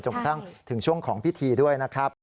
จนถึงช่วงของพิธีด้วยนะครับ